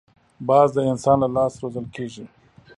باز د انسان له لاس روزل کېږي